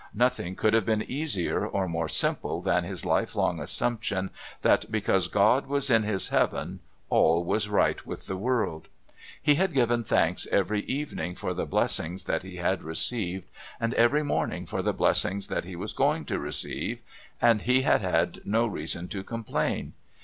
Nothing could have been easier or more simple than his lifelong assumption that, because God was in His heaven all was right with the world. He had given thanks every evening for the blessings that he had received and every morning for the blessings that he was going to receive, and he had had no reason to complain.